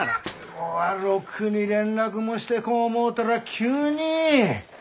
おろくに連絡もしてこん思うたら急に！